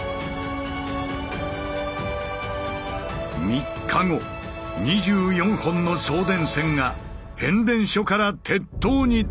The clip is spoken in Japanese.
３日後２４本の送電線が変電所から鉄塔につながった。